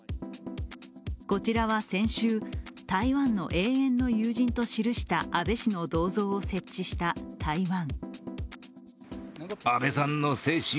こちらは先週、台湾の永遠の友人と記した安倍氏の銅像を設置した台湾。